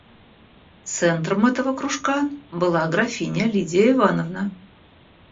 Центром этого кружка была графиня Лидия Ивановна.